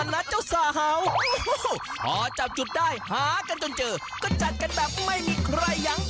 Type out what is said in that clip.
เจ้าสาวพอจับจุดได้หากันจนเจอก็จัดกันแบบไม่มีใครยัง